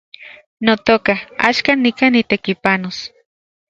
Notoka, axkan nikan nitekipanos